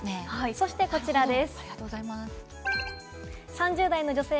そしてこちらです。